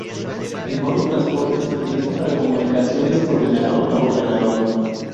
El modo transporte se utiliza para comunicaciones ordenador a ordenador.